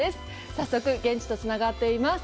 早速現地とつながっています。